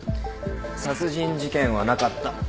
殺人事件はなかった。